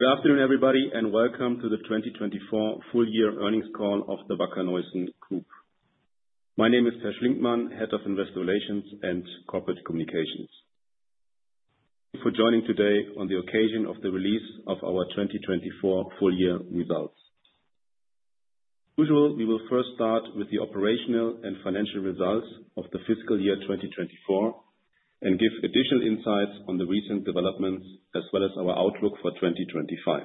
Good afternoon, everybody, and welcome to the 2024 full-year earnings call of the Wacker Neuson Group. My name is Peer Schlinkmann, Head of Investor Relations and Corporate Communications. Thank you for joining today on the occasion of the release of our 2024 full-year results. As usual, we will first start with the operational and financial results of the fiscal year 2024 and give additional insights on the recent developments as well as our outlook for 2025.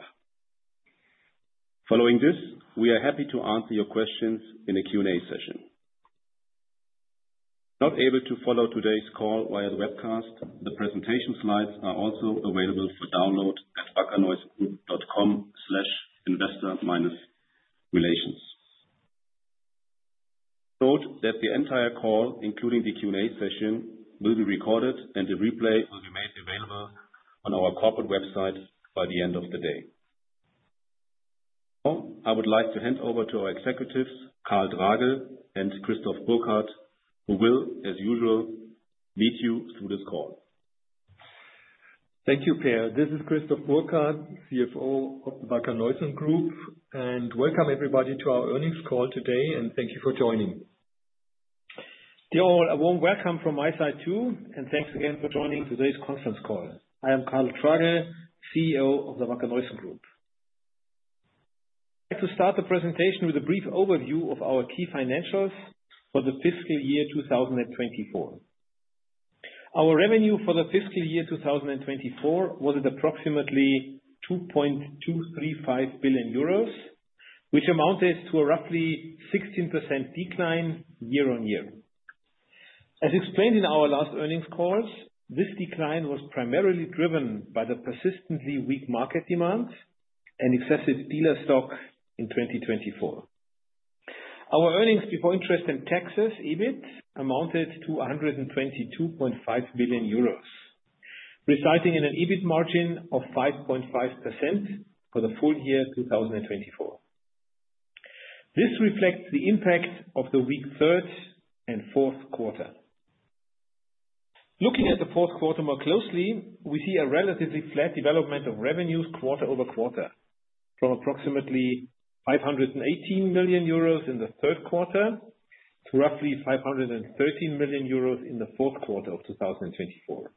Following this, we are happy to answer your questions in a Q&A session. If you're not able to follow today's call via the webcast, the presentation slides are also available for download at wackerneusongroup.com/investor-relations. Please note that the entire call, including the Q&A session, will be recorded, and a replay will be made available on our corporate website by the end of the day. Now, I would like to hand over to our executives, Karl Tragl and Christoph Burkhard, who will, as usual, meet you through this call. Thank you, Peer. This is Christoph Burkhard, CFO of the Wacker Neuson Group, and welcome everybody to our earnings call today, and thank you for joining. Dear all, a warm welcome from my side too, and thanks again for joining today's conference call. I am Karl Tragl, CEO of the Wacker Neuson Group. I'd like to start the presentation with a brief overview of our key financials for the fiscal year 2024. Our revenue for the fiscal year 2024 was at approximately 2.235 billion euros, which amounted to a roughly 16% decline year on year. As explained in our last earnings calls, this decline was primarily driven by the persistently weak market demand and excessive dealer stock in 2024. Our earnings before interest and taxes, EBIT, amounted to 122.5 million euros, resulting in an EBIT margin of 5.5% for the full year 2024. This reflects the impact of the weak third and fourth quarter. Looking at the fourth quarter more closely, we see a relatively flat development of revenues quarter over quarter, from approximately 518 million euros in the third quarter to roughly 513 million euros in the fourth quarter of 2024.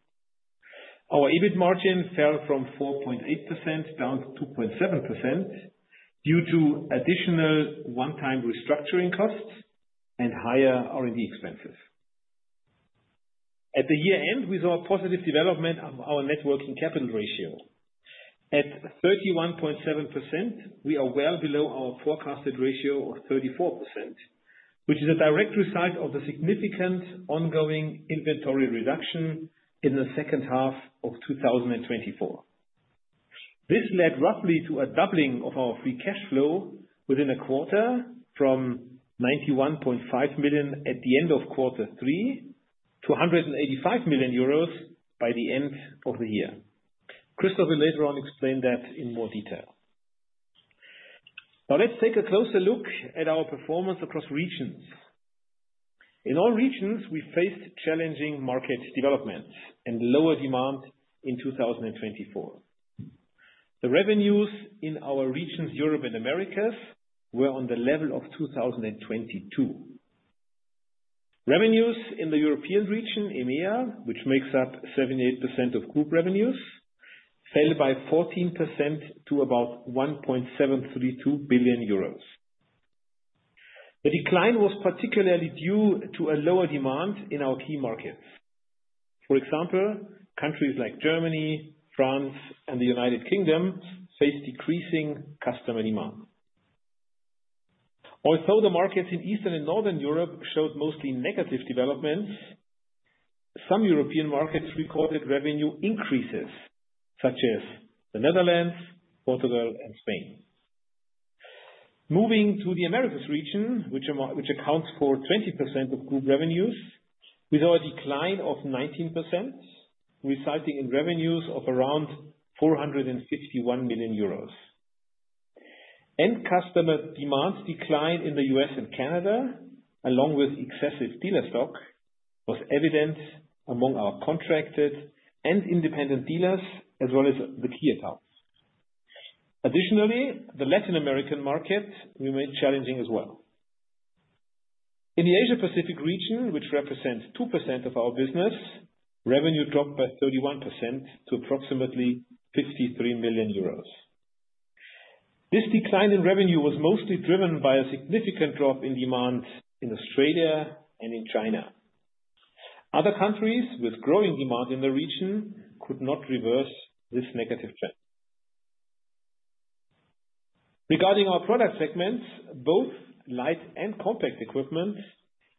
Our EBIT margin fell from 4.8% down to 2.7% due to additional one-time restructuring costs and higher R&D expenses. At the year-end, we saw a positive development of our net working capital ratio. At 31.7%, we are well below our forecasted ratio of 34%, which is a direct result of the significant ongoing inventory reduction in the second half of 2024. This led roughly to a doubling of our free cash flow within a quarter, from 91.5 million at the end of quarter three to 185 million euros by the end of the year. Christoph will later on explain that in more detail. Now, let's take a closer look at our performance across regions. In all regions, we faced challenging market developments and lower demand in 2024. The revenues in our regions, Europe and Americas, were on the level of 2022. Revenues in the European region, EMEA, which makes up 78% of group revenues, fell by 14% to about 1.732 billion euros. The decline was particularly due to a lower demand in our key markets. For example, countries like Germany, France, and the U.K. faced decreasing customer demand. Although the markets in Eastern and Northern Europe showed mostly negative developments, some European markets recorded revenue increases, such as the Netherlands, Portugal, and Spain. Moving to the Americas region, which accounts for 20% of group revenues, we saw a decline of 19%, resulting in revenues of around 451 million euros. End-customer demand decline in the U.S. and Canada, along with excessive dealer stock, was evident among our contracted and independent dealers, as well as the key accounts. Additionally, the Latin American market remained challenging as well. In the Asia-Pacific region, which represents 2% of our business, revenue dropped by 31% to approximately 53 million euros. This decline in revenue was mostly driven by a significant drop in demand in Australia and in China. Other countries with growing demand in the region could not reverse this negative trend. Regarding our product segments, both light and compact equipment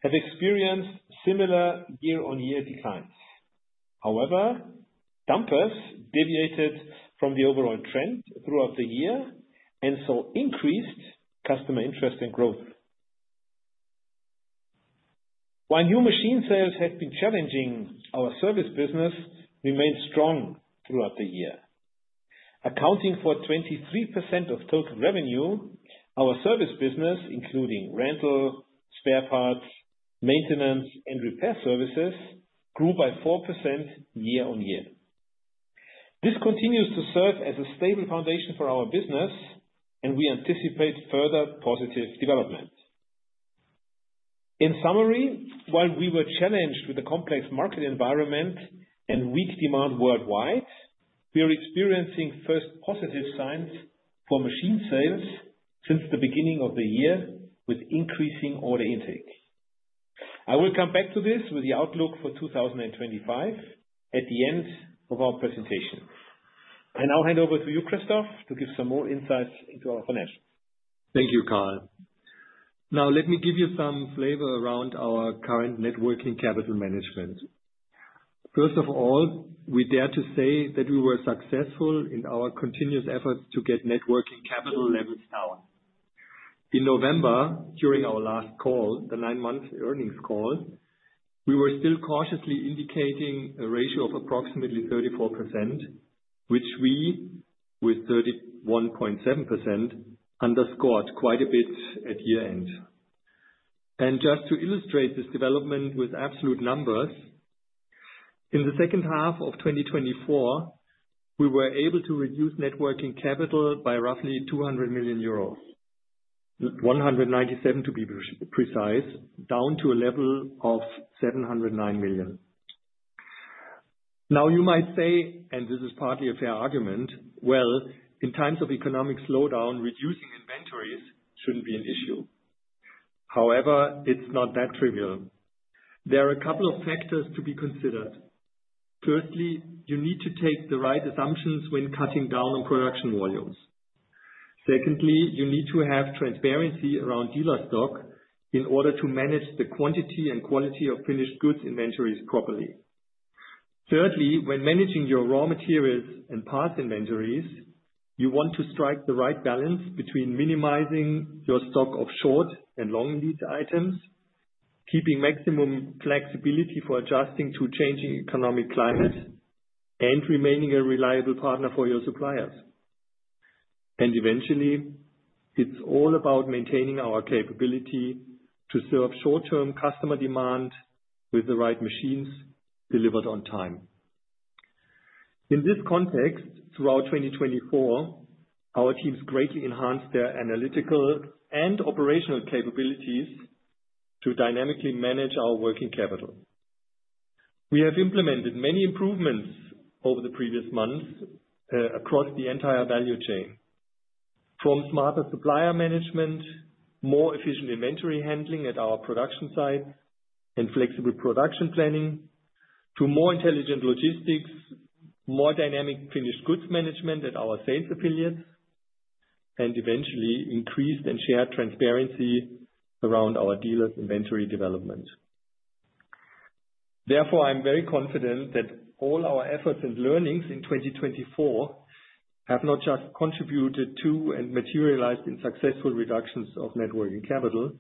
have experienced similar year-on-year declines. However, dumpers deviated from the overall trend throughout the year and saw increased customer interest and growth. While new machine sales had been challenging, our service business remained strong throughout the year. Accounting for 23% of total revenue, our service business, including rental, spare parts, maintenance, and repair services, grew by 4% year on year. This continues to serve as a stable foundation for our business, and we anticipate further positive developments. In summary, while we were challenged with a complex market environment and weak demand worldwide, we are experiencing first positive signs for machine sales since the beginning of the year, with increasing order intake. I will come back to this with the outlook for 2025 at the end of our presentation. I now hand over to you, Christoph, to give some more insights into our financials. Thank you, Karl. Now, let me give you some flavor around our current net working capital management. First of all, we dare to say that we were successful in our continuous efforts to get net working capital levels down. In November, during our last call, the nine-month earnings call, we were still cautiously indicating a ratio of approximately 34%, which we, with 31.7%, underscored quite a bit at year-end. Just to illustrate this development with absolute numbers, in the second half of 2024, we were able to reduce net working capital by roughly 200 million euros, 197 million to be precise, down to a level of 709 million. Now, you might say, and this is partly a fair argument, in times of economic slowdown, reducing inventories should not be an issue. However, it is not that trivial. There are a couple of factors to be considered. Firstly, you need to take the right assumptions when cutting down on production volumes. Secondly, you need to have transparency around dealer stock in order to manage the quantity and quality of finished goods inventories properly. Thirdly, when managing your raw materials and parts inventories, you want to strike the right balance between minimizing your stock of short and long-lead items, keeping maximum flexibility for adjusting to changing economic climates, and remaining a reliable partner for your suppliers. Eventually, it's all about maintaining our capability to serve short-term customer demand with the right machines delivered on time. In this context, throughout 2024, our teams greatly enhanced their analytical and operational capabilities to dynamically manage our working capital. We have implemented many improvements over the previous months across the entire value chain, from smarter supplier management, more efficient inventory handling at our production sites, and flexible production planning, to more intelligent logistics, more dynamic finished goods management at our sales affiliates, and eventually increased and shared transparency around our dealer's inventory development. Therefore, I'm very confident that all our efforts and learnings in 2024 have not just contributed to and materialized in successful reductions of net working capital,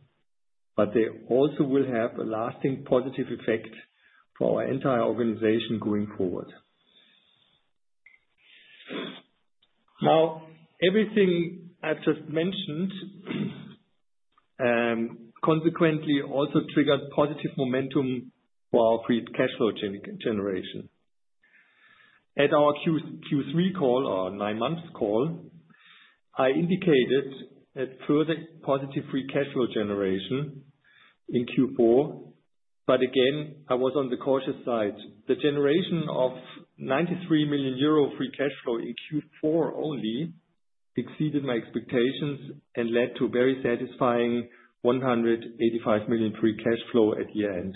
but they also will have a lasting positive effect for our entire organization going forward. Now, everything I've just mentioned consequently also triggered positive momentum for our free cash flow generation. At our Q3 call, our nine-month call, I indicated further positive free cash flow generation in Q4, but again, I was on the cautious side. The generation of 93 million euro free cash flow in Q4 only exceeded my expectations and led to a very satisfying 185 million free cash flow at year-end.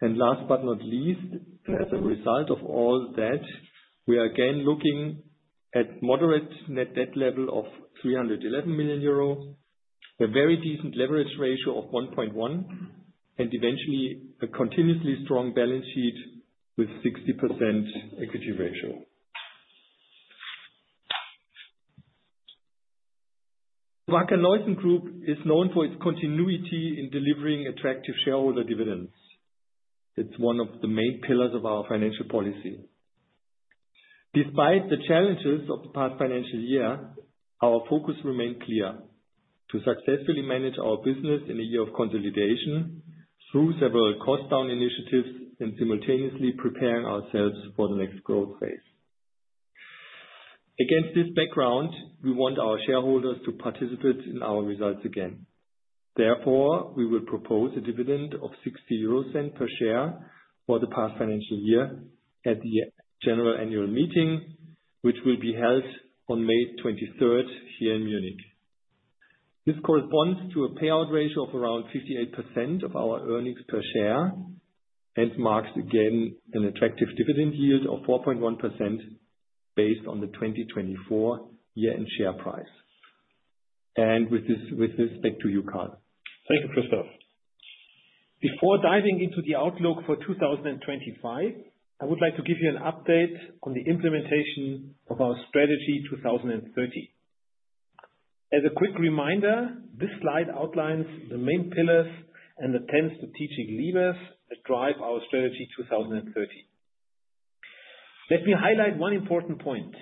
Last but not least, as a result of all that, we are again looking at a moderate net debt level of 311 million euro, a very decent leverage ratio of 1.1, and eventually a continuously strong balance sheet with a 60% equity ratio. The Wacker Neuson Group is known for its continuity in delivering attractive shareholder dividends. It's one of the main pillars of our financial policy. Despite the challenges of the past financial year, our focus remained clear: to successfully manage our business in a year of consolidation through several cost-down initiatives and simultaneously preparing ourselves for the next growth phase. Against this background, we want our shareholders to participate in our results again. Therefore, we will propose a dividend of 0.60 per share for the past financial year at the general annual meeting, which will be held on May 23rd here in Munich. This corresponds to a payout ratio of around 58% of our earnings per share and marks again an attractive dividend yield of 4.1% based on the 2024 year-end share price. With this, back to you, Karl. Thank you, Christoph. Before diving into the outlook for 2025, I would like to give you an update on the implementation of our Strategy 2030. As a quick reminder, this slide outlines the main pillars and ten strategic levers that drive our Strategy 2030. Let me highlight one important point.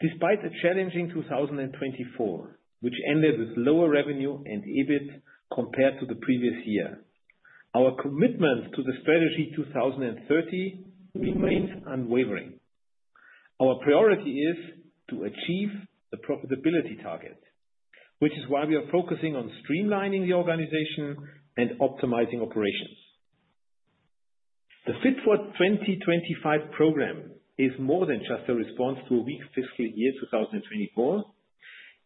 Despite a challenging 2024, which ended with lower revenue and EBIT compared to the previous year, our commitment to the Strategy 2030 remains unwavering. Our priority is to achieve the profitability target, which is why we are focusing on streamlining the organization and optimizing operations. The Fit for 2025 program is more than just a response to a weak fiscal year 2024.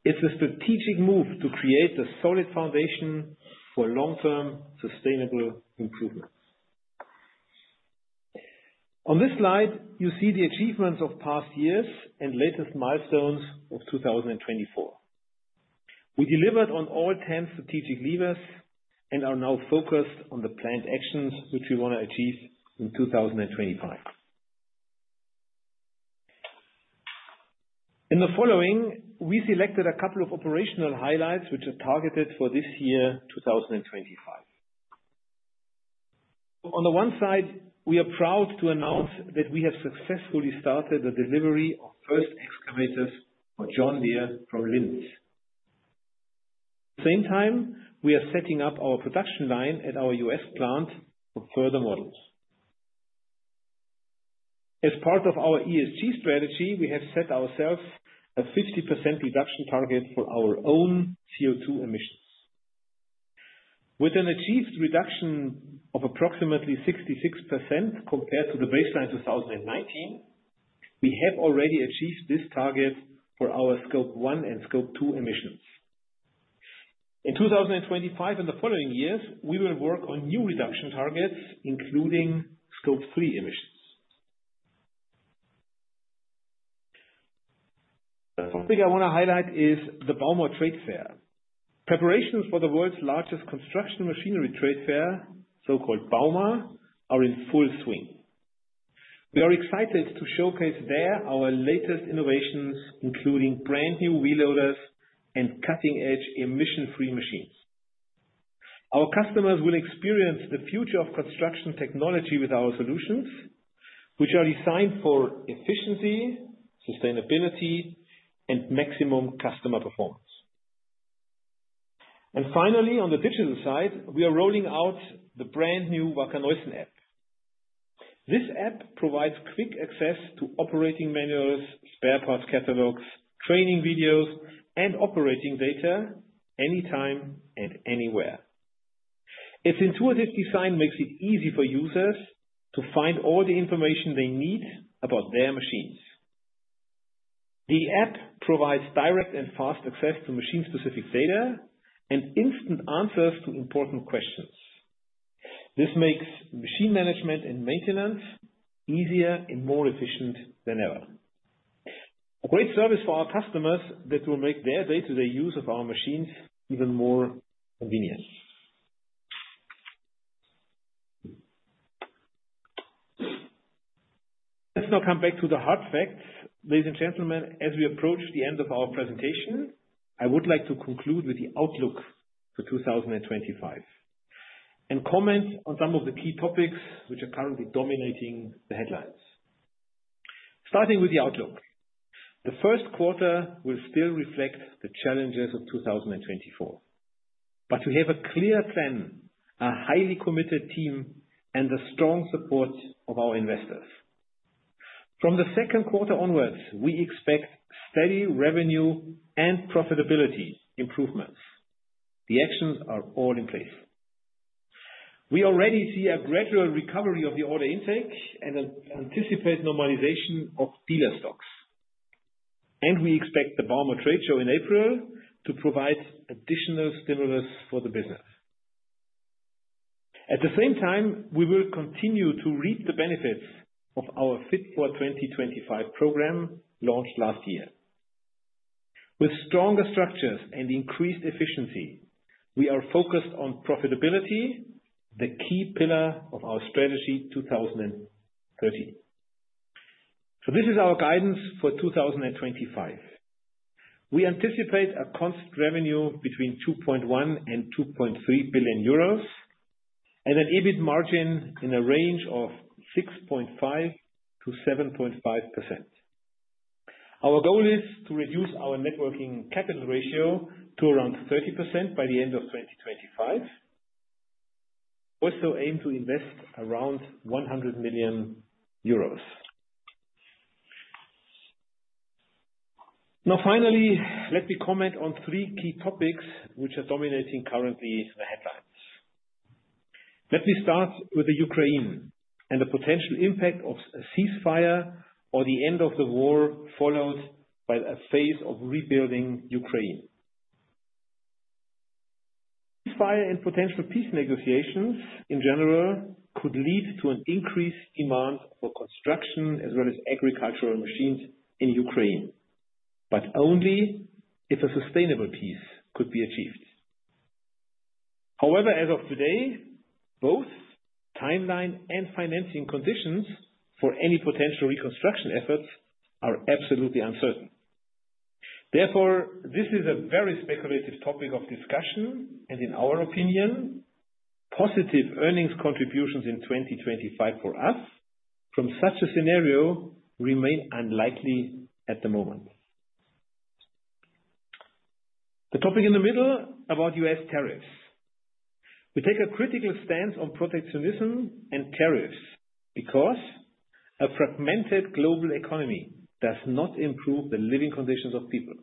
It is a strategic move to create a solid foundation for long-term sustainable improvements. On this slide, you see the achievements of past years and latest milestones of 2024. We delivered on all 10 strategic levers and are now focused on the planned actions which we want to achieve in 2025. In the following, we selected a couple of operational highlights which are targeted for this year, 2025. On the one side, we are proud to announce that we have successfully started the delivery of first excavators for John Deere from Linz. At the same time, we are setting up our production line at our US plant for further models. As part of our ESG strategy, we have set ourselves a 50% reduction target for our own CO2 emissions. With an achieved reduction of approximately 66% compared to the baseline 2019, we have already achieved this target for our Scope 1 and Scope 2 emissions. In 2025 and the following years, we will work on new reduction targets, including Scope 3 emissions. The topic I want to highlight is the Bauma Trade Fair. Preparations for the world's largest construction machinery trade fair, so-called Bauma, are in full swing. We are excited to showcase there our latest innovations, including brand new wheel loaders and cutting-edge emission-free machines. Our customers will experience the future of construction technology with our solutions, which are designed for efficiency, sustainability, and maximum customer performance. Finally, on the digital side, we are rolling out the brand new Wacker Neuson app. This app provides quick access to operating manuals, spare parts catalogs, training videos, and operating data anytime and anywhere. Its intuitive design makes it easy for users to find all the information they need about their machines. The app provides direct and fast access to machine-specific data and instant answers to important questions. This makes machine management and maintenance easier and more efficient than ever. A great service for our customers that will make their day-to-day use of our machines even more convenient. Let's now come back to the hard facts. Ladies and gentlemen, as we approach the end of our presentation, I would like to conclude with the outlook for 2025 and comment on some of the key topics which are currently dominating the headlines. Starting with the outlook, the first quarter will still reflect the challenges of 2024, but we have a clear plan, a highly committed team, and the strong support of our investors. From the second quarter onwards, we expect steady revenue and profitability improvements. The actions are all in place. We already see a gradual recovery of the order intake and anticipate normalization of dealer stocks. We expect the Bauma trade show in April to provide additional stimulus for the business. At the same time, we will continue to reap the benefits of our Fit for 2025 program launched last year. With stronger structures and increased efficiency, we are focused on profitability, the key pillar of our Strategy 2030. This is our guidance for 2025. We anticipate a constant revenue between 2.1 billion and 2.3 billion euros and an EBIT margin in a range of 6.5%-7.5%. Our goal is to reduce our net working capital ratio to around 30% by the end of 2025. We also aim to invest around 100 million euros. Now, finally, let me comment on three key topics which are dominating currently the headlines. Let me start with Ukraine and the potential impact of a ceasefire or the end of the war followed by a phase of rebuilding Ukraine. Ceasefire and potential peace negotiations in general could lead to an increased demand for construction as well as agricultural machines in Ukraine, but only if a sustainable peace could be achieved. However, as of today, both timeline and financing conditions for any potential reconstruction efforts are absolutely uncertain. Therefore, this is a very speculative topic of discussion, and in our opinion, positive earnings contributions in 2025 for us from such a scenario remain unlikely at the moment. The topic in the middle about U.S. tariffs. We take a critical stance on protectionism and tariffs because a fragmented global economy does not improve the living conditions of people.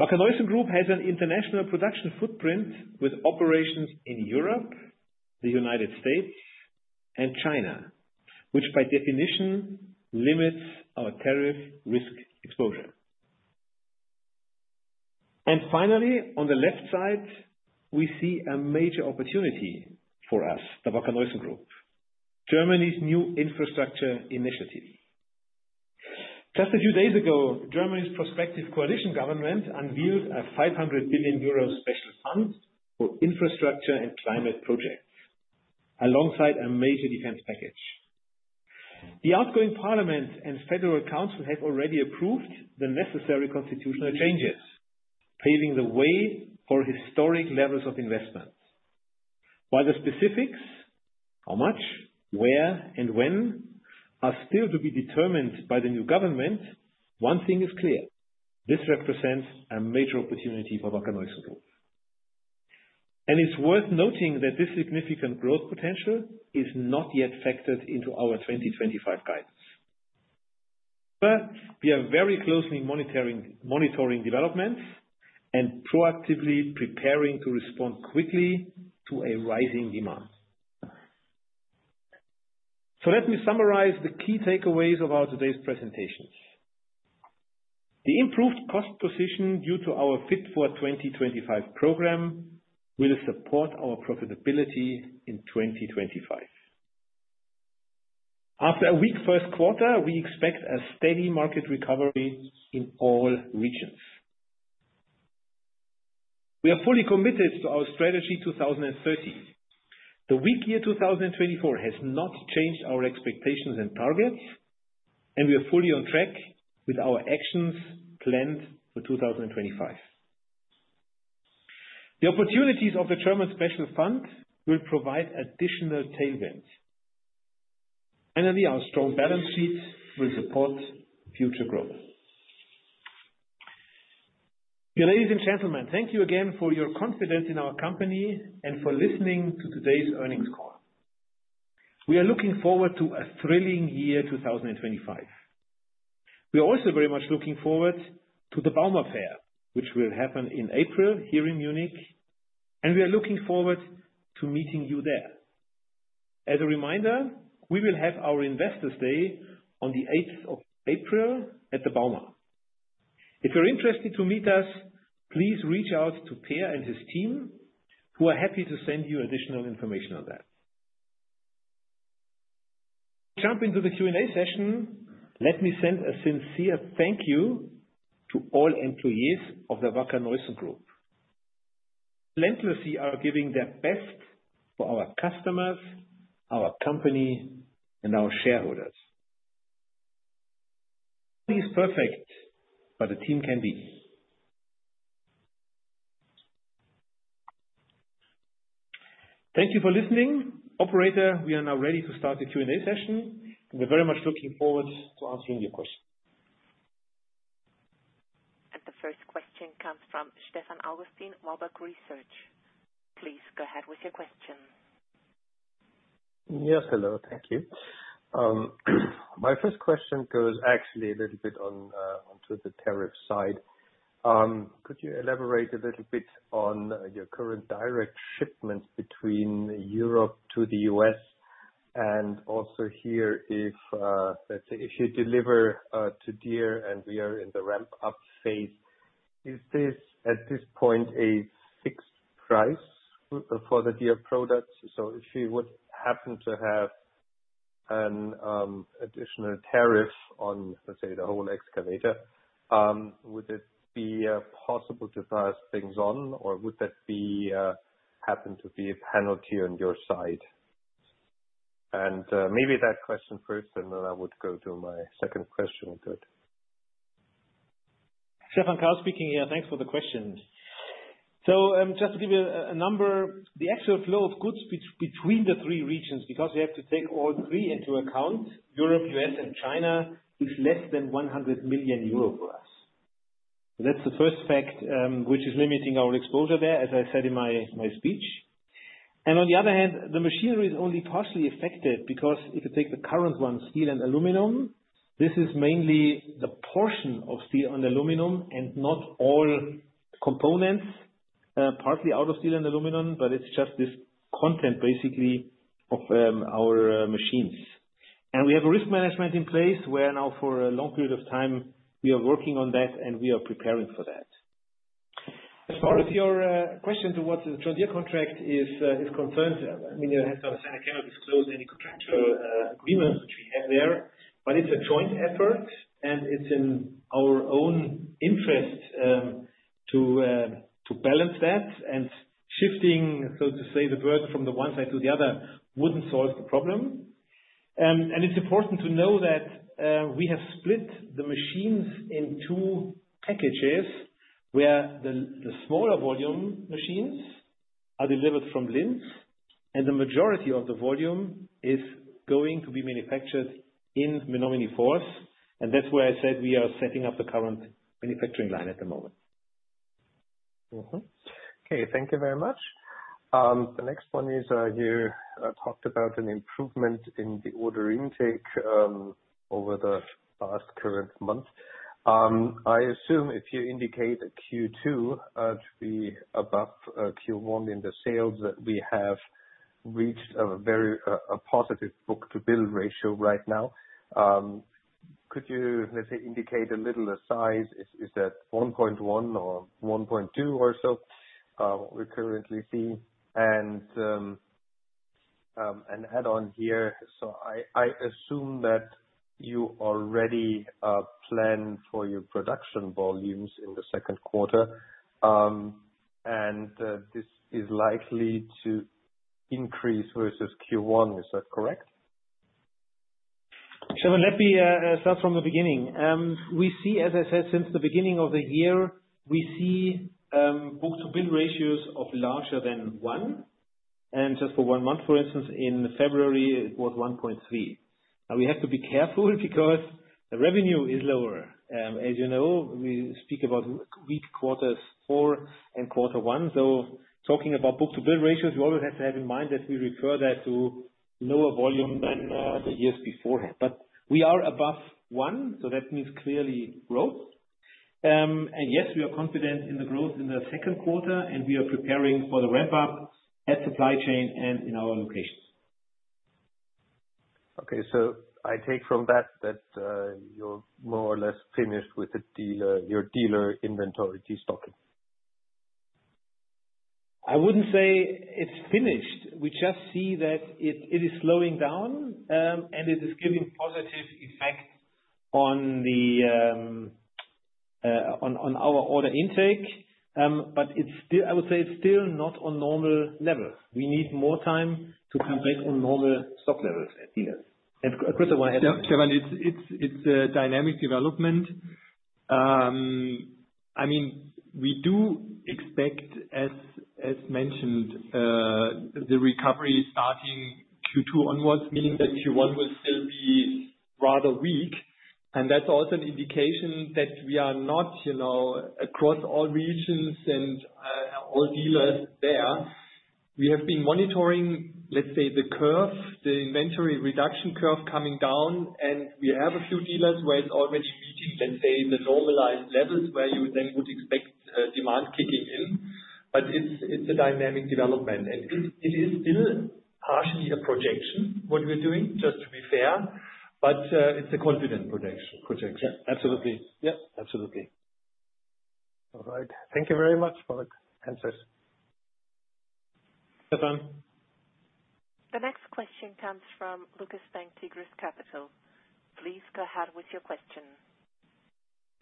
Wacker Neuson Group has an international production footprint with operations in Europe, the United States, and China, which by definition limits our tariff risk exposure. Finally, on the left side, we see a major opportunity for us, the Wacker Neuson Group, Germany's new infrastructure initiative. Just a few days ago, Germany's prospective coalition government unveiled a 500 billion euro special fund for infrastructure and climate projects alongside a major defense package. The outgoing Parliament and Federal Council have already approved the necessary constitutional changes, paving the way for historic levels of investment. While the specifics, how much, where, and when are still to be determined by the new government, one thing is clear. This represents a major opportunity for Wacker Neuson Group. It is worth noting that this significant growth potential is not yet factored into our 2025 guidance. We are very closely monitoring developments and proactively preparing to respond quickly to a rising demand. Let me summarize the key takeaways of our today's presentations. The improved cost position due to our Fit for 2025 program will support our profitability in 2025. After a weak first quarter, we expect a steady market recovery in all regions. We are fully committed to our Strategy 2030. The weak year 2024 has not changed our expectations and targets, and we are fully on track with our actions planned for 2025. The opportunities of the German special fund will provide additional tailwinds. Finally, our strong balance sheet will support future growth. Ladies and gentlemen, thank you again for your confidence in our company and for listening to today's earnings call. We are looking forward to a thrilling year 2025. We are also very much looking forward to the Bauma Fair, which will happen in April here in Munich, and we are looking forward to meeting you there. As a reminder, we will have our Investors' Day on the 8th of April at the Bauma. If you're interested to meet us, please reach out to Peer and his team, who are happy to send you additional information on that. Jumping to the Q&A session, let me send a sincere thank you to all employees of the Wacker Neuson Group. Relentlessly are giving their best for our customers, our company, and our shareholders. As perfect for a team can be. Thank you for listening. Operator, we are now ready to start the Q&A session. We're very much looking forward to answering your questions. The first question comes from Stefan Augustin, Warburg Research. Please go ahead with your question. Yes, hello. Thank you. My first question goes actually a little bit onto the tariff side. Could you elaborate a little bit on your current direct shipments between Europe to the U.S. and also here if, let's say, if you deliver to Deere and we are in the ramp-up phase, is this at this point a fixed price for the Deere products? If you would happen to have an additional tariff on, let's say, the whole excavator, would it be possible to pass things on, or would that happen to be a penalty on your side? Maybe that question first, and then I would go to my second question if that. Thanks for the question. Just to give you a number, the actual flow of goods between the three regions, because we have to take all three into account, Europe, U.S., and China, is less than 100 million euro for us. That's the first fact, which is limiting our exposure there, as I said in my speech. On the other hand, the machinery is only partially affected because if you take the current ones, steel and aluminum, this is mainly the portion of steel and aluminum and not all components, partly out of steel and aluminum, but it's just this content, basically, of our machines. We have a risk management in place where now for a long period of time we are working on that, and we are preparing for that. As far as your question to what the John Deere contract is concerned, I mean, you have to understand it cannot disclose any contractual agreement, which we have there, but it's a joint effort, and it's in our own interest to balance that. Shifting, so to say, the burden from the one side to the other wouldn't solve the problem. It's important to know that we have split the machines into packages where the smaller volume machines are delivered from Linz, and the majority of the volume is going to be manufactured in Menomonee Falls. That's where I said we are setting up the current manufacturing line at the moment. Okay. Thank you very much. The next one is you talked about an improvement in the order intake over the past current month. I assume if you indicate a Q2 to be above Q1 in the sales that we have reached a very positive book-to-bill ratio right now. Could you, let's say, indicate a little the size? Is that 1.1 or 1.2 or so we currently see? An add-on here. I assume that you already plan for your production volumes in the second quarter, and this is likely to increase versus Q1. Is that correct? Let me start from the beginning. We see, as I said, since the beginning of the year, we see book-to-bill ratios of larger than one. Just for one month, for instance, in February, it was 1.3. Now, we have to be careful because the revenue is lower. As you know, we speak about weak quarters four and quarter one. Talking about book-to-bill ratios, you always have to have in mind that we refer that to lower volume than the years beforehand. We are above one, so that means clearly growth. Yes, we are confident in the growth in the second quarter, and we are preparing for the ramp-up at supply chain and in our locations. Okay. I take from that that you're more or less finished with your dealer inventory stocking? I wouldn't say it's finished. We just see that it is slowing down, and it is giving positive effects on our order intake, but I would say it's still not on normal level. We need more time to come back on normal stock levels at dealers. And Christoph has to. Stefan, it's a dynamic development. I mean, we do expect, as mentioned, the recovery starting Q2 onwards, meaning that Q1 will still be rather weak. That is also an indication that we are not across all regions and all dealers there. We have been monitoring, let's say, the curve, the inventory reduction curve coming down, and we have a few dealers where it's already meeting, let's say, the normalized levels where you then would expect demand kicking in. It is a dynamic development. It is still partially a projection, what we're doing, just to be fair, but it's a confident projection. Yeah. Absolutely. All right. Thank you very much for the answers. Stefan. The next question comes from Lukas Spang, Tigris Capital. Please go ahead with your question.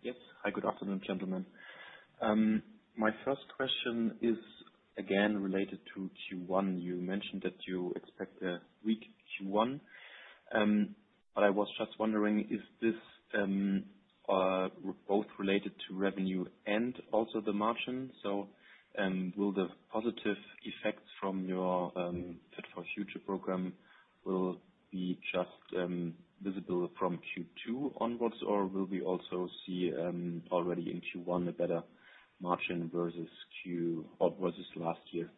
Yes. Hi, good afternoon, gentlemen. My first question is again related to Q1. You mentioned that you expect a weak Q1, but I was just wondering, is this both related to revenue and also the margin? Will the positive effects from your Fit for Future program be just visible from Q2 onwards, or will we also see already in Q1 a better margin versus last year?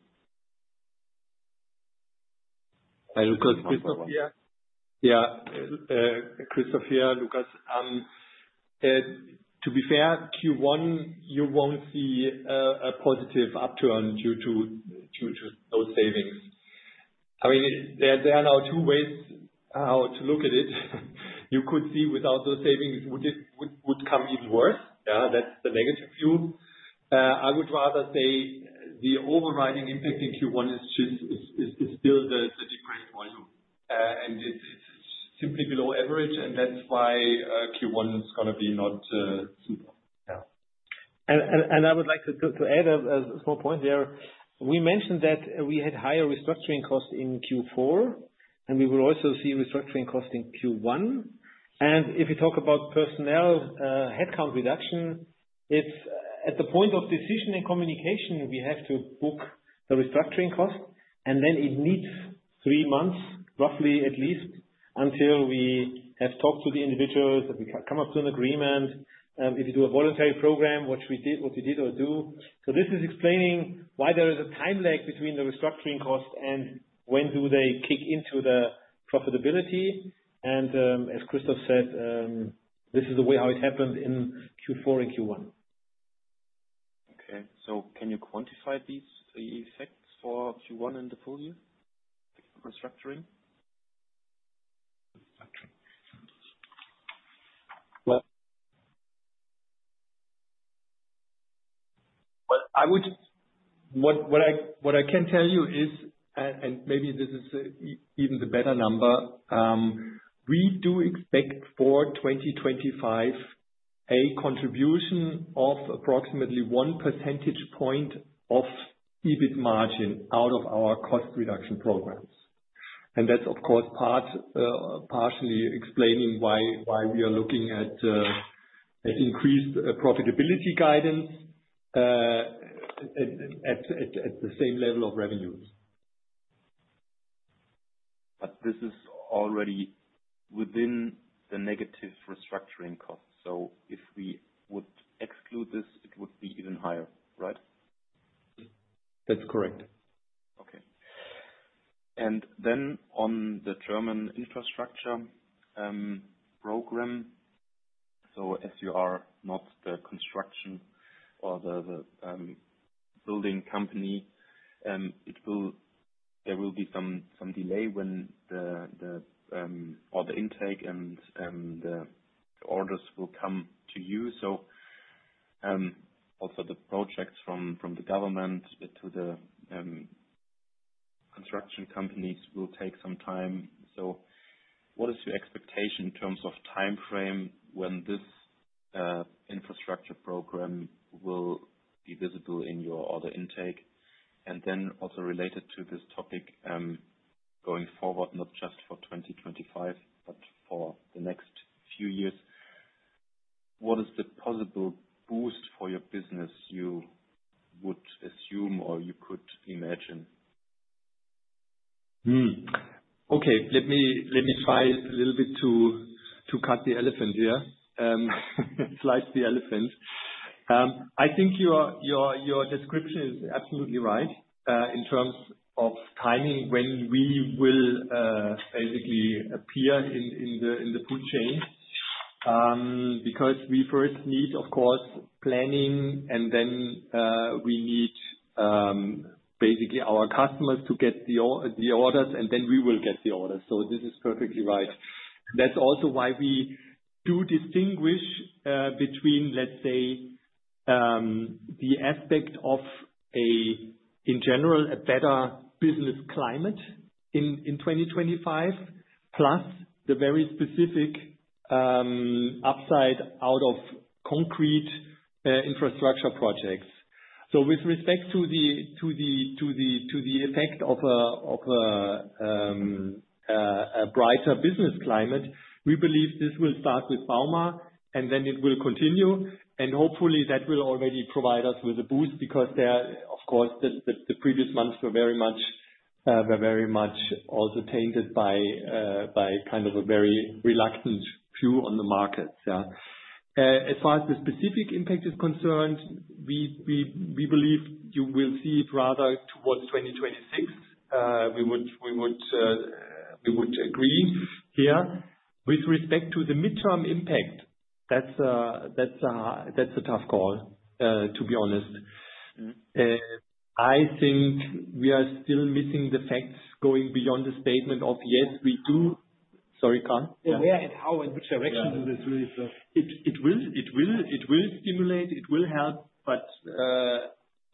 Hi, Lukas. Christoph. Christoph. Yeah. Christoph, yeah, Lukas. To be fair, Q1, you won't see a positive upturn due to those savings. I mean, there are now two ways how to look at it. You could see without those savings would come even worse. Yeah, that's the negative view. I would rather say the overriding impact in Q1 is still the depressed volume, and it's simply below average, and that's why Q1 is going to be not super. Yeah. I would like to add a small point here. We mentioned that we had higher restructuring costs in Q4, and we will also see restructuring costs in Q1. If you talk about personnel headcount reduction, it's at the point of decision and communication, we have to book the restructuring cost, and then it needs three months, roughly at least, until we have talked to the individuals, we come up to an agreement, if you do a voluntary program, what you did or do. This is explaining why there is a time lag between the restructuring cost and when they kick into the profitability. As Christoph said, this is the way how it happened in Q4 and Q1. Okay. Can you quantify these effects for Q1 and the full year? Restructuring? What I can tell you is, and maybe this is even the better number, we do expect for 2025 a contribution of approximately one percentage point of EBIT margin out of our cost reduction programs. That is, of course, partially explaining why we are looking at increased profitability guidance at the same level of revenues. This is already within the negative restructuring costs. If we would exclude this, it would be even higher, right? That's correct. Okay. On the German infrastructure program, as you are not the construction or the building company, there will be some delay when all the intake and the orders will come to you. Also, the projects from the government to the construction companies will take some time. What is your expectation in terms of timeframe when this infrastructure program will be visible in your order intake? Also related to this topic going forward, not just for 2025, but for the next few years, what is the possible boost for your business you would assume or you could imagine? Okay. Let me try a little bit to cut the elephant here, slice the elephant. I think your description is absolutely right in terms of timing when we will basically appear in the food chain because we first need, of course, planning, and then we need basically our customers to get the orders, and then we will get the orders. This is perfectly right. That is also why we do distinguish between, let's say, the aspect of, in general, a better business climate in 2025, plus the very specific upside out of concrete infrastructure projects. With respect to the effect of a brighter business climate, we believe this will start with Bauma, and then it will continue. Hopefully, that will already provide us with a boost because, of course, the previous months were very much also tainted by kind of a very reluctant view on the markets. Yeah. As far as the specific impact is concerned, we believe you will see it rather towards 2026. We would agree here. With respect to the midterm impact, that's a tough call, to be honest. I think we are still missing the facts going beyond the statement of, yes, we do. Sorry, Karl. Where and how and which direction do this really? It will stimulate. It will help.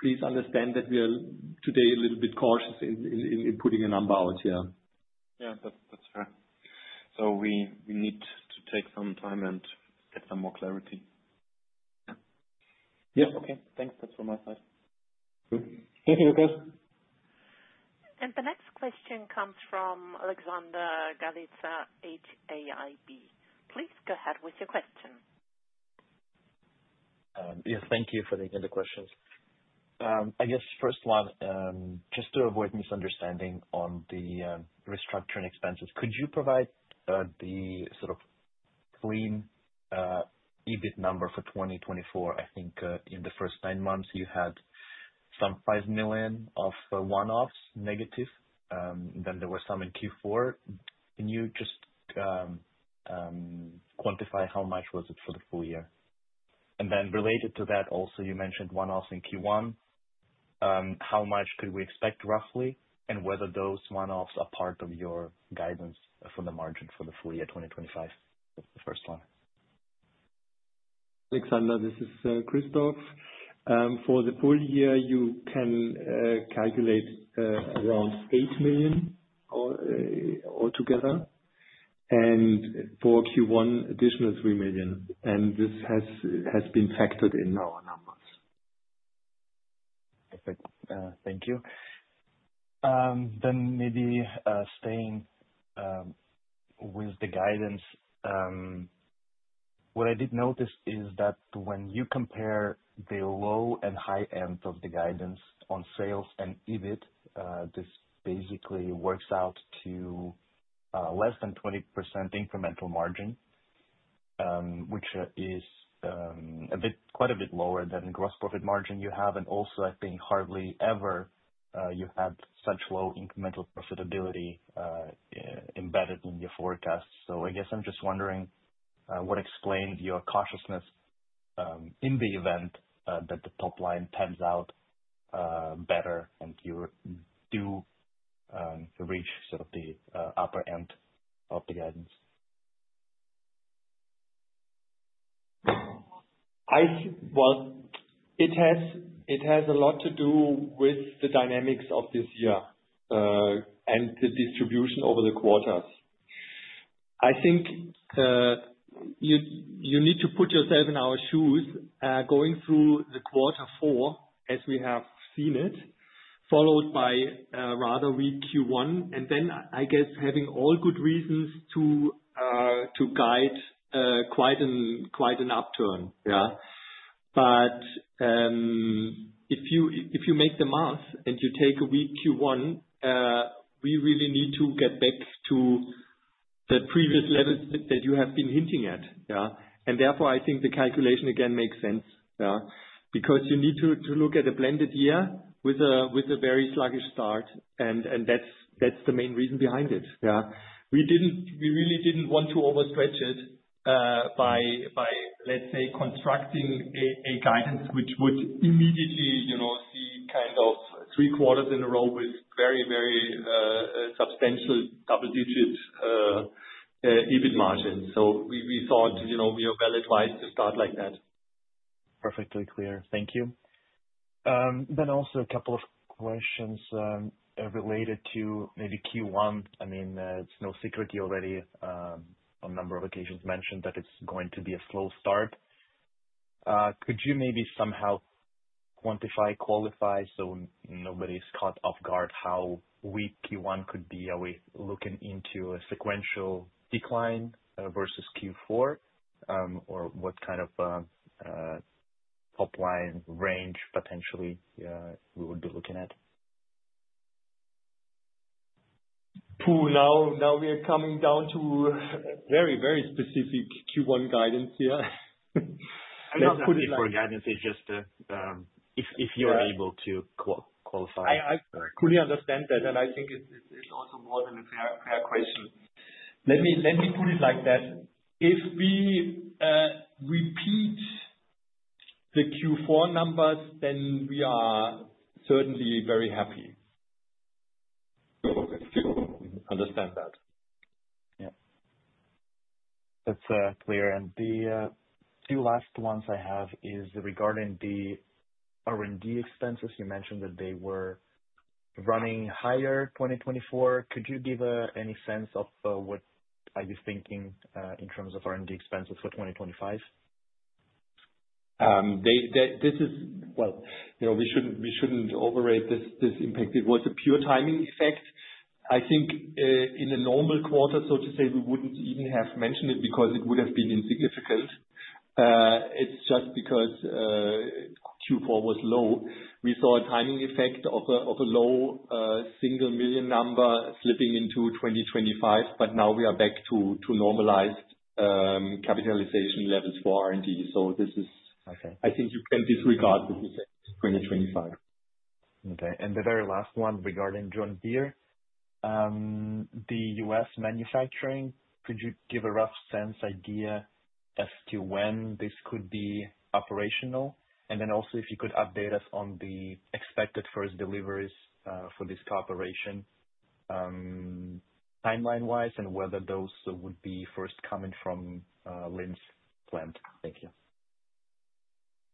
Please understand that we are today a little bit cautious in putting a number out here. Yeah. That's fair. We need to take some time and get some more clarity. Yeah. Okay. Thanks. That's from my side. Thank you, Lukas. The next question comes from Alexander Galiza, HAIB. Please go ahead with your question. Yes. Thank you for taking the questions. I guess first one, just to avoid misunderstanding on the restructuring expenses, could you provide the sort of clean EBIT number for 2024? I think in the first nine months, you had some 5 million of one-offs negative. Then there were some in Q4. Can you just quantify how much was it for the full year? Also, you mentioned one-offs in Q1. How much could we expect roughly, and whether those one-offs are part of your guidance for the margin for the full year 2025? The first one. Alexander, this is Christoph. For the full year, you can calculate around 8 million altogether, and for Q1, additional 3 million. This has been factored in our numbers. Perfect. Thank you. Maybe staying with the guidance, what I did notice is that when you compare the low and high end of the guidance on sales and EBIT, this basically works out to less than 20% incremental margin, which is quite a bit lower than gross profit margin you have. Also, I think hardly ever you had such low incremental profitability embedded in your forecast. I guess I'm just wondering what explained your cautiousness in the event that the top line pans out better and you do reach sort of the upper end of the guidance. It has a lot to do with the dynamics of this year and the distribution over the quarters. I think you need to put yourself in our shoes going through the quarter four as we have seen it, followed by a rather weak Q1, and then, I guess, having all good reasons to guide quite an upturn. Yeah. If you make the math and you take a weak Q1, we really need to get back to the previous levels that you have been hinting at. Yeah. Therefore, I think the calculation again makes sense. Yeah. You need to look at a blended year with a very sluggish start, and that's the main reason behind it. Yeah. We really didn't want to overstretch it by, let's say, constructing a guidance which would immediately see kind of three quarters in a row with very, very substantial double-digit EBIT margins. We thought we were well advised to start like that. Perfectly clear. Thank you. Then also a couple of questions related to maybe Q1. I mean, it's no secret you already on a number of occasions mentioned that it's going to be a slow start. Could you maybe somehow quantify, qualify so nobody's caught off guard how weak Q1 could be? Are we looking into a sequential decline versus Q4, or what kind of top line range potentially we would be looking at? Now we are coming down to very, very specific Q1 guidance here. I'm not looking for guidance. It's just if you're able to qualify. I fully understand that, and I think it's also more than a fair question. Let me put it like that. If we repeat the Q4 numbers, then we are certainly very happy. Understand that. Yeah. That's clear. The two last ones I have is regarding the R&D expenses. You mentioned that they were running higher 2024. Could you give any sense of what are you thinking in terms of R&D expenses for 2025? This is, well, we shouldn't overrate this impact. It was a pure timing effect. I think in a normal quarter, so to say, we wouldn't even have mentioned it because it would have been insignificant. It's just because Q4 was low. We saw a timing effect of a low single million number slipping into 2025, but now we are back to normalized capitalization levels for R&D. So this is, I think you can disregard this effect in 2025. Okay. The very last one regarding John Deere, the US manufacturing, could you give a rough sense, idea as to when this could be operational? Also, if you could update us on the expected first deliveries for this cooperation timeline-wise and whether those would be first coming from Linz plant. Thank you.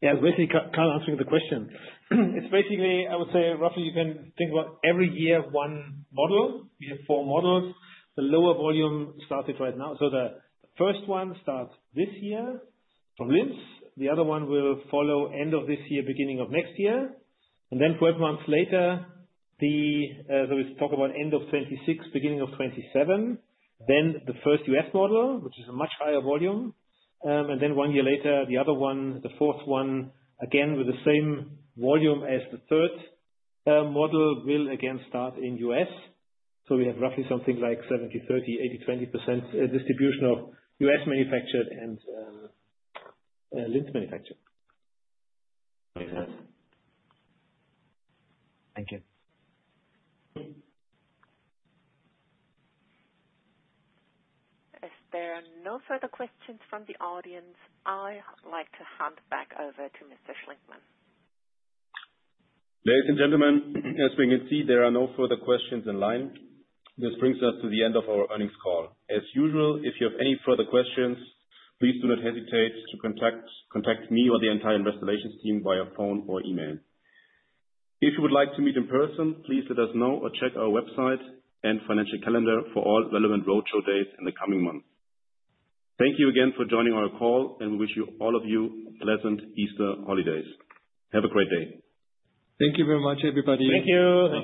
Yeah. Basically, kind of answering the question. It's basically, I would say, roughly you can think about every year one model. We have four models. The lower volume started right now. The first one starts this year from Linz. The other one will follow end of this year, beginning of next year. Twelve months later, we talk about end of 2026, beginning of 2027, the first US model, which is a much higher volume. One year later, the other one, the fourth one, again with the same volume as the third model, will again start in US. We have roughly something like 70-30, 80-20% distribution of US manufactured and Linz manufactured. Thank you. If there are no further questions from the audience, I'd like to hand back over to Mr. Schlinkmann. Ladies and gentlemen, as we can see, there are no further questions in line. This brings us to the end of our earnings call. As usual, if you have any further questions, please do not hesitate to contact me or the entire Investor Relations team via phone or email. If you would like to meet in person, please let us know or check our website and financial calendar for all relevant roadshow days in the coming months. Thank you again for joining our call, and we wish all of you pleasant Easter holidays. Have a great day. Thank you very much, everybody. Thank you.